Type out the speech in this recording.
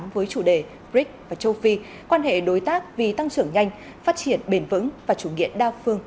với chủ đề brics và châu phi quan hệ đối tác vì tăng trưởng nhanh phát triển bền vững và chủ nghĩa đa phương